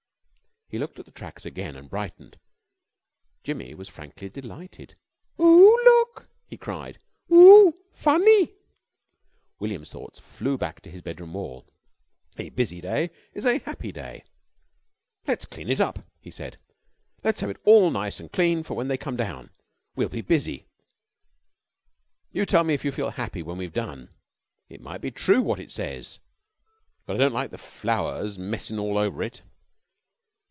He looked at the tracks again and brightened. Jimmy was frankly delighted. "Oo! Look!" he cried, "Oo funny!" William's thoughts flew back to his bedroom wall "A Busy Day is a Happy Day." "Let's clean it up!" he said. "Let's have it all nice an' clean for when they come down. We'll be busy. You tell me if you feel happy when we've done. It might be true wot it says, but I don't like the flowers messin' all over it."